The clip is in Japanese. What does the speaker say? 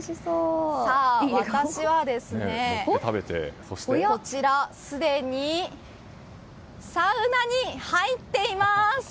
私はすでにサウナに入っています。